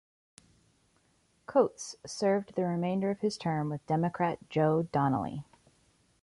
Coats served the remainder of his term with Democrat Joe Donnelly.